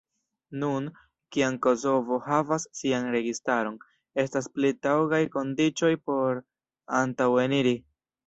Nun, kiam Kosovo havas sian registaron, estas pli taŭgaj kondiĉoj por antaŭeniri.